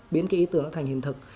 biến cái ý tưởng nó thành hình thực